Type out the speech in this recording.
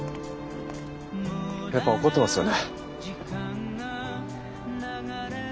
やっぱ怒ってますよね？